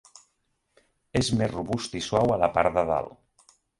És més robust i suau a la part de dalt.